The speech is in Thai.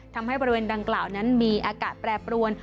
ทำให้บริเวณดังกล่าวนั้นมีอากาศแปรปรวน